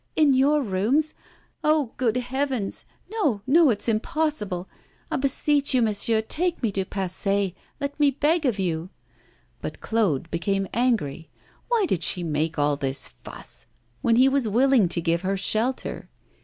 'In your rooms? Oh! good heavens. No, no; it's impossible. I beseech you, monsieur, take me to Passy. Let me beg of you.' But Claude became angry. Why did she make all this fuss, when he was willing to give her shelter?